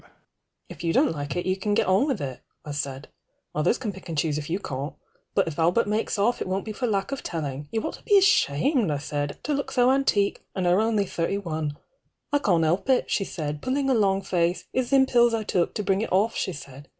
HURRY UP PLEASE IT'S TIME If you don't like it you can get on with it, I said. Others can pick and choose if you can't. But if Albert makes off, it won't be for lack of telling. You ought to be ashamed, I said, to look so antique. (And her only thirty one.) I can't help it, she said, pulling a long face, It's them pills I took, to bring it off, she said.